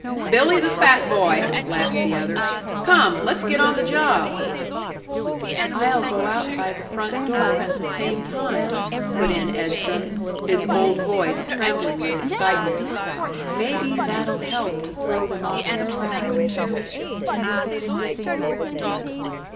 "Billy, the fat boy!" laughed the other. "Come, let's get on the job!" "I'll go out by the front door at the same time," put in Edstrom, his old voice trembling with excitement. "Maybe that'll help to throw them off the track."